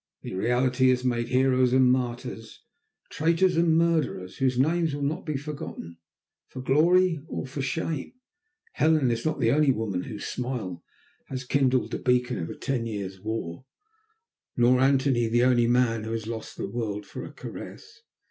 The reality has made heroes and martyrs, traitors and murderers, whose names will not be forgotten, for glory or for shame. Helen is not the only woman whose smile has kindled the beacon of a ten years' war, nor Antony the only man who has lost the world for a caress.